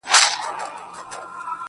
گراني چي د ټول كلي ملكه سې.